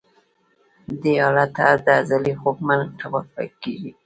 دې حالت ته د عضلې خوږمن انقباض ویل کېږي.